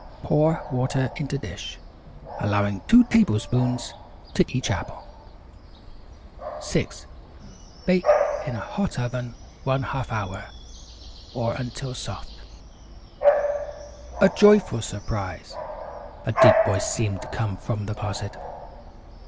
Pour water into dish, allowing 2 tablespoons to each apple. 6. Bake in a hot oven one half hour, or until soft. [Illustration: Take out cores.] "A joyful surprise!" a deep voice seemed to come from the closet.